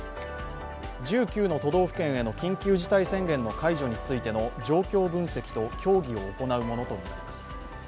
１９の都道府県への緊急事態宣言の解除についての状況分析と協議を行うものとみられます。